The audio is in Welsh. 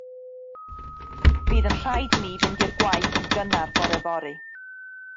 Bydd yn rhaid i mi fynd i'r gwaith yn gynnar bore fory.